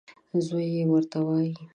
زوی یې ورته وايي .